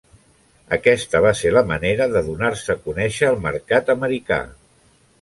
Aquesta va ser la manera de donar-se a conèixer al mercat americà.